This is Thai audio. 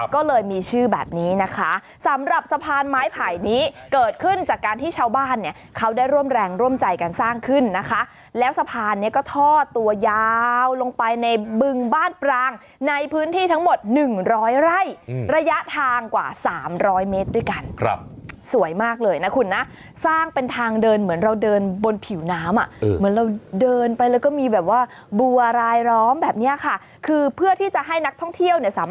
ก็เลยมีชื่อแบบนี้นะคะสำหรับสะพานไม้ไผ่นี้เกิดขึ้นจากการที่ชาวบ้านเนี่ยเขาได้ร่วมแรงร่วมใจกันสร้างขึ้นนะคะแล้วสะพานเนี่ยก็ทอดตัวยาวลงไปในบึงบ้านปรางในพื้นที่ทั้งหมด๑๐๐ไร่ระยะทางกว่า๓๐๐เมตรด้วยกันสวยมากเลยนะคุณนะสร้างเป็นทางเดินเหมือนเราเดินบนผิวน้ำอ่ะเหมือนเราเดินไปแล้วก็มีแบบว่าบัว